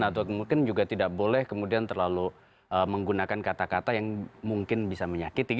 atau mungkin juga tidak boleh kemudian terlalu menggunakan kata kata yang mungkin bisa menyakiti